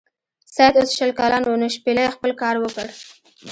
سید اوس شل کلن و نو شپیلۍ خپل کار وکړ.